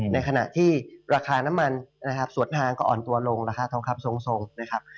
ในขณะที่ราคาน้ำมันนะครับสวนทางก็อ่อนตัวลงราคาทองคำทรงนะครับ